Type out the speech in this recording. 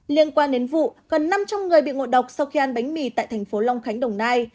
liên quan đến vụ gần năm trăm linh người bị ngộ độc sau khi ăn bánh mì tại tp hcm đồng nai